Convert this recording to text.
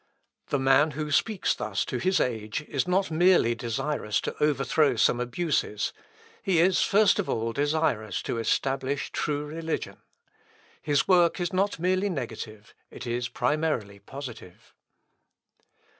The man who speaks thus to his age is not merely desirous to overthrow some abuses; he is first of all desirous to establish true religion. His work is not negative merely it is primarily positive.